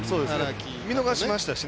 見逃しましたしね。